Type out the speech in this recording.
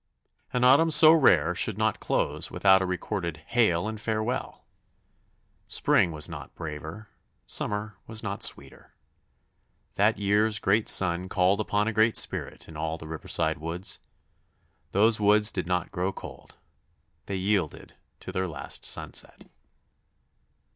An autumn so rare should not close without a recorded "hail and farewell!" Spring was not braver, summer was not sweeter. That year's great sun called upon a great spirit in all the riverside woods. Those woods did not grow cold; they yielded to their last sunset.